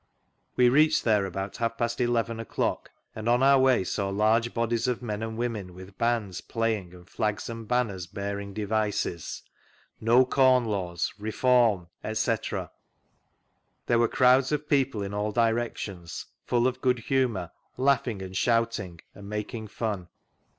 We reached there about half past eleven o'clock, and on our way saw large bodies of men and women with bands flaying and flags and banners bearing devices :" No Com Laws," " Reform," etc. There were crowds of peojrfe in all directions, full of good humour, laughing and shouting and making fun.